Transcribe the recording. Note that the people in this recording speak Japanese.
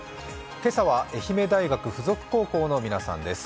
今朝は愛媛大附属高校の皆さんです。